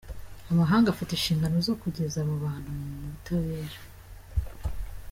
Amahanga afite inshingano zo kugeza abo bantu mu butabera.